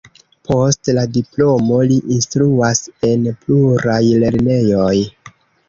Post la diplomo li instruas en pluraj lernejoj.